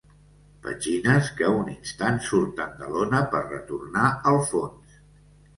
Petxines que un instant surten de l’ona per retornar al fons.